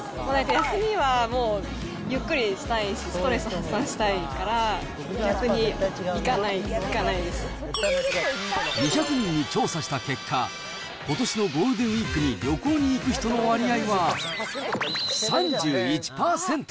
休みはゆっくりしたいし、ストレス発散したいから、逆に行か２００人に調査した結果、ことしのゴールデンウィークに旅行に行く人の割合は３１％。